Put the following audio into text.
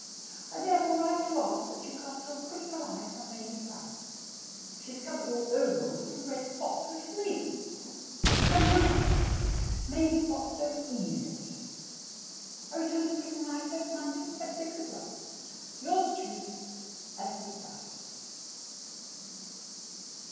I therefore write to ask that you cast your critical eye upon Mamie Prout. She is covered all over with little red spots which may be measles, though I am hoping not. Mamie spots very easily. I return to prison life next Monday at six o'clock. Yours truly, S. McBRIDE.